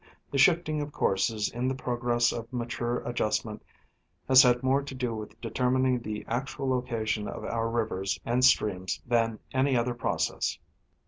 The shifting of courses in the progress of mature adjustment has had more to do with determining the actual loca tion of our rivers and streams than any other process.